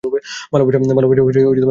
ভালবাসা তাকে দখল করে নিয়েছে।